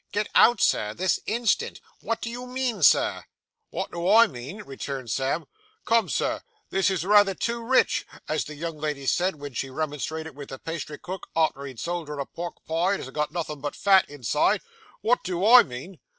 'Get out, sir, this instant. What do you mean, Sir?' 'What do I mean,' retorted Sam; 'come, Sir, this is rayther too rich, as the young lady said when she remonstrated with the pastry cook, arter he'd sold her a pork pie as had got nothin' but fat inside. What do I mean!